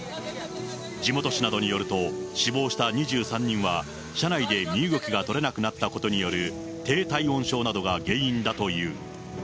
地元紙などによると、死亡した２３人は、車内で身動きが取れなくなったことによる、低体温症などが原因だという。